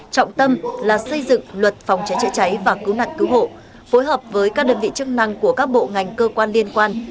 trọng tâm là xây dựng luật phòng cháy chữa cháy và cứu nạn cứu hộ phối hợp với các đơn vị chức năng của các bộ ngành cơ quan liên quan